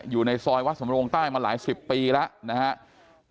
อยู่ในซอยวัดสมรงค์ใต้มาหลายสิบปีแล้ว